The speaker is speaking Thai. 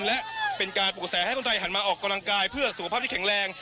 และเป็นการปลูกกระแสให้คนไทยหันมาออกกำลังกายเพื่อสุขภาพที่แข็งแรง